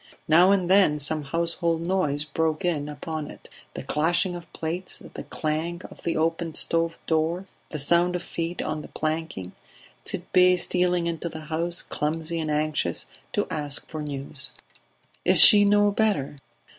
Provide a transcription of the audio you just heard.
Now and then some household noise broke in upon it: the clashing of plates, the clang of the opened stove door, the sound of feet on the planking, Tit'Bé stealing into the house, clumsy and anxious, to ask for news. "Is she no better?"